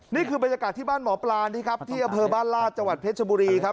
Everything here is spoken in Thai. นี่คือบรรยากาศที่บ้านหมอปลาที่อเภอบ้านลาดจวัดเพชรบุรีครับ